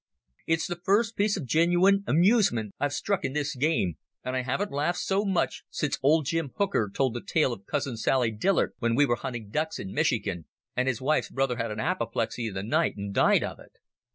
It's the first piece of genooine amusement I've struck in this game, and I haven't laughed so much since old Jim Hooker told the tale of 'Cousin Sally Dillard' when we were hunting ducks in Michigan and his wife's brother had an apoplexy in the night and died of it."